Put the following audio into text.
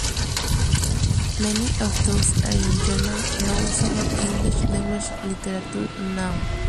Many of those are in German, no usable English language literature known.